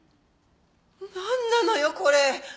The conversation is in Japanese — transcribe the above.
なんなのよこれ。